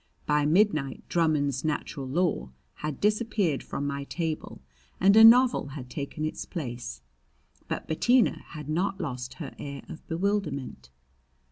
By midnight Drummond's "Natural Law" had disappeared from my table and a novel had taken its place. But Bettina had not lost her air of bewilderment.